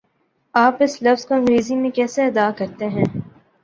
آپ اس لفظ کو انگریزی میں کیسے ادا کرتےہیں؟